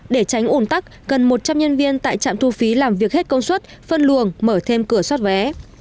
để tránh ủn tắc gần một trăm linh nhân viên tại trạm thu phí làm việc hết công suất phân luồng mở thêm cửa xoát vé